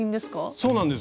そうなんです。